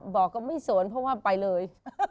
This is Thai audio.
บอกว่าไม่สนเพราะว่าไปเลย